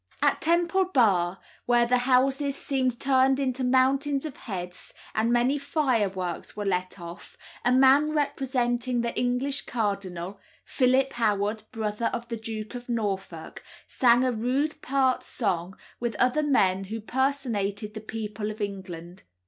At Temple Bar, where the houses seemed turned into mountains of heads, and many fireworks were let off, a man representing the English cardinal (Philip Howard, brother of the Duke of Norfolk) sang a rude part song with other men who personated the people of England.